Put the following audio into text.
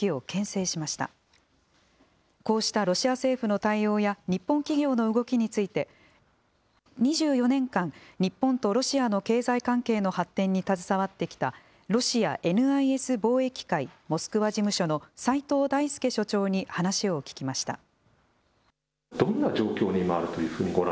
こうしたロシア政府の対応や日本企業の動きについて２４年間、日本とロシアの経済関係の発展に携わってきたロシアＮＩＳ貿易会モスクワ事務所の齋藤大輔所長に話を聞きました。